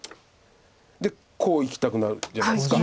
でこういきたくなるじゃないですか。